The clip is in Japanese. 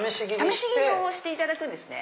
試し切りをしていただくんですね。